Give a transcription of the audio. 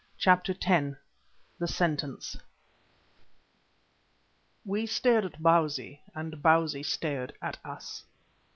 CHAPTER X THE SENTENCE We stared at Bausi and Bausi stared at us.